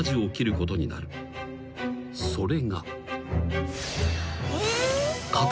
［それが］